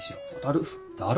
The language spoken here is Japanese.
だる。